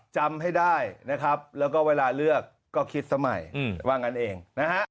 จำให้ได้นะครับแล้วก็เวลาเลือกก็คิดสมัยว่างั้นเองนะฮะ